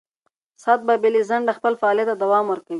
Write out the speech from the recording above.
ساعت به بې له ځنډه خپل فعالیت ته دوام ورکوي.